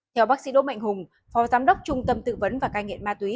theo bác sĩ đỗ mạnh hùng phó giám đốc trung tâm tư vấn và cai nghiện ma túy